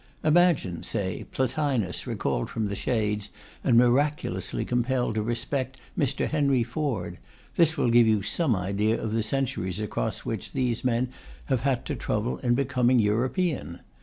Imagine (say) Plotinus recalled from the shades and miraculously compelled to respect Mr. Henry Ford; this will give you some idea of the centuries across which these men have had to travel in becoming European.